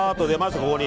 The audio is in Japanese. ここに。